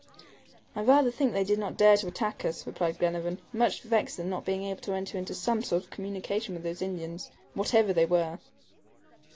"I rather think they did not dare to attack us," replied Glenarvan, much vexed at not being able to enter into some sort of communication with those Indians, whatever they were.